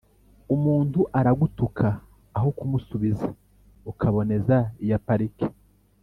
u m untu aragutuka aho kumusubiza ukaboneza iya parike